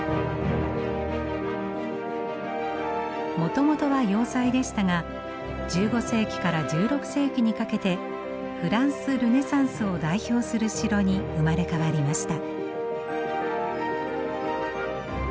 もともとは要塞でしたが１５世紀から１６世紀にかけてフランスルネサンスを代表する城に生まれ変わりました。